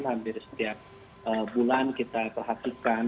hampir setiap bulan kita perhatikan